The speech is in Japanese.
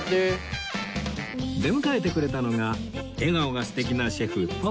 出迎えてくれたのが笑顔が素敵なシェフポコさん